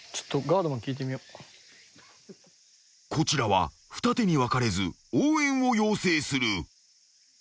［こちらは二手に分かれず応援を要請する］